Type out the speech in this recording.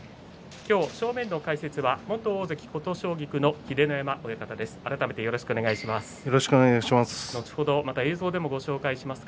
正面の解説は元大関琴奨菊の秀ノ山親方です。